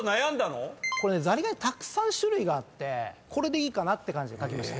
たくさん種類があってこれでいいかなって感じで書きました。